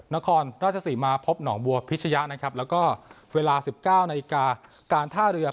นครราชสีมาพบหนองบัวพิชยะนะครับแล้วก็เวลา๑๙นาฬิกาการท่าเรือ